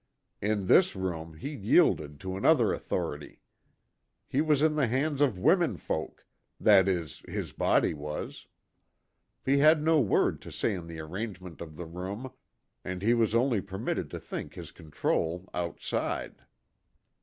In this room he yielded to another authority. He was in the hands of womenfolk; that is, his body was. He had no word to say in the arrangement of the room, and he was only permitted to think his control outside.